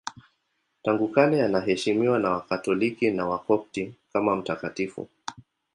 Tangu kale anaheshimiwa na Wakatoliki na Wakopti kama mtakatifu.